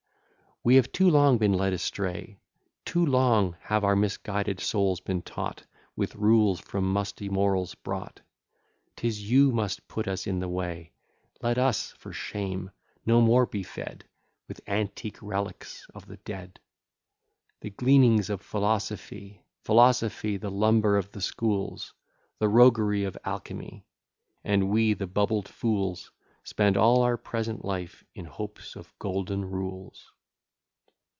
II We have too long been led astray; Too long have our misguided souls been taught With rules from musty morals brought, 'Tis you must put us in the way; Let us (for shame!) no more be fed With antique relics of the dead, The gleanings of philosophy; Philosophy, the lumber of the schools, The roguery of alchymy; And we, the bubbled fools, Spend all our present life, in hopes of golden rules.